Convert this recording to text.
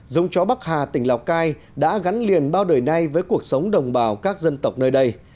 giống chó bắc hà tỉnh lào cai đã gắn liền bao đời nay với cuộc sống đồng bào các dân tộc nơi đây